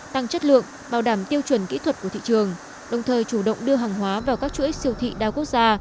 tăng chất lượng bảo đảm tiêu chuẩn kỹ thuật của thị trường đồng thời chủ động đưa hàng hóa vào các chuỗi siêu thị đa quốc gia